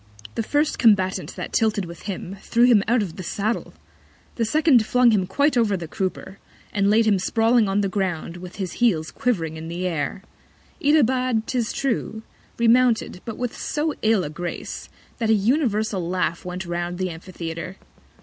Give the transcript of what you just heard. The first Combatant that tilted with him, threw him out of the Saddle; the second flung him quite over the Crupper, and laid him sprawling on the Ground, with his Heels quiv'ring in the Air. Itobad, 'tis true, remounted, but with so ill a Grace, that an universal Laugh went round the Amphitheatre.